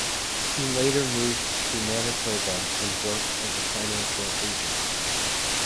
He later moved to Manitoba, and worked as a financial agent.